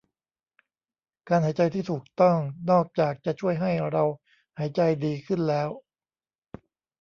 การหายใจที่ถูกต้องนอกจากจะช่วยให้เราหายใจดีขึ้นแล้ว